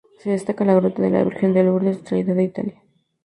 Se destaca la gruta de la Virgen de Lourdes traída de Italia.